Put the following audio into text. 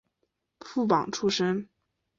副榜出身。